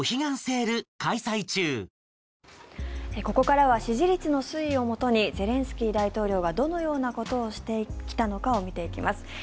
ここからは支持率の推移をもとにゼレンスキー大統領はどのようなことをしてきたのかを見ていきます。